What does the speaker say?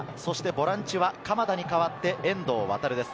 ボランチは鎌田に代わって遠藤航です。